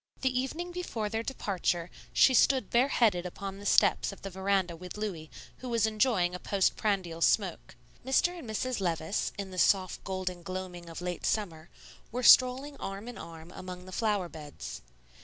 The evening before their departure she stood bareheaded upon the steps of the veranda with Louis, who was enjoying a post prandial smoke. Mr. and Mrs. Levice, in the soft golden gloaming of late summer, were strolling arm in arm among the flower beds.